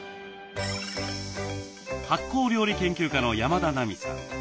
発酵料理研究家の山田奈美さん。